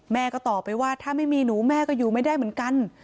แม่ก็ตอบไปว่าถ้าไม่มีหนูแม่ก็อยู่ไม่ได้เหมือนกัน